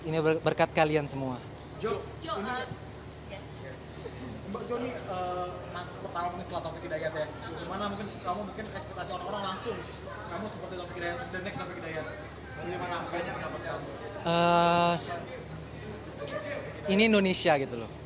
ini indonesia gitu loh